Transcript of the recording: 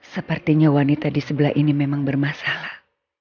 sepertinya wanita di sebelah ini memang bermasalah